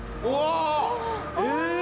え！